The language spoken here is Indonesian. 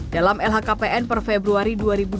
dalam lhkpn per februari dua ribu dua puluh